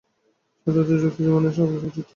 সাধারণত যুক্তিবাদী মানুষরা আবেগবর্জিত হন।